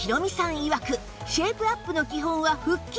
いわくシェイプアップの基本は腹筋